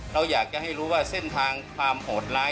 เราอยากจะให้รู้ว่าเส้นทางความโหดร้าย